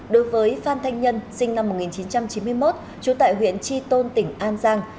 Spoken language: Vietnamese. đối với phan thanh nhân sinh năm một nghìn chín trăm chín mươi một trú tại huyện tri tôn tỉnh an giang